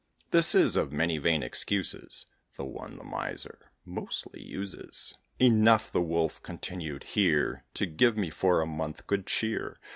(This is, of many vain excuses, The one the miser mostly uses.) "Enough," the Wolf continued, "here, To give me for a month good cheer.